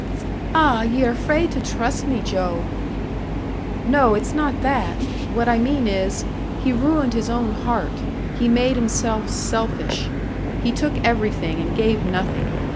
"Ah, ye're afraid to trust me, Joe!" "No, it's not that; what I mean is he ruined his own heart, he made himself selfish. He took everything, and gave nothing.